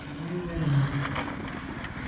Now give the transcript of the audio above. Zin nde nène.